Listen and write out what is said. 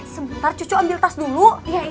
sebentar cucu ambil tas dulu